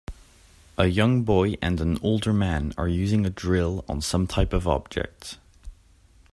A young boy and an older man are using a drill on some type of object.